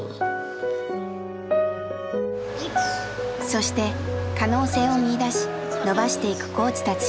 そして可能性を見いだし伸ばしていくコーチたち。